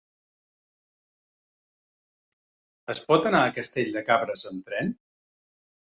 Es pot anar a Castell de Cabres amb tren?